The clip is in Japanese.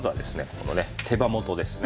このね手羽元ですね。